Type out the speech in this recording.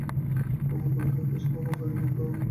কমলা কহিল, বেশ, খাওয়া হয় নাই তো কী?